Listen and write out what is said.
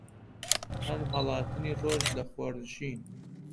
هەم هەڵاتنی ڕۆژ لە خۆرنشین